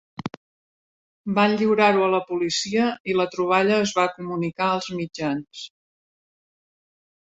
Van lliurar-ho a la policia i la troballa es va comunicar als mitjans.